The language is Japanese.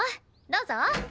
どうぞ。